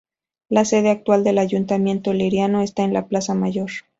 La sede actual del ayuntamiento liriano está en la plaza Mayor.